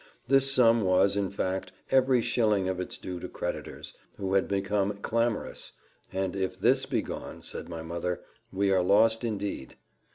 This sum was, in fact, every shilling of it due to creditors, who had become clamorous; and "if this be gone," said my mother, "we are lost indeed!